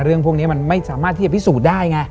เรื่องพวกนี้มันไม่สามารถที่จะพิสูจน์ได้ไง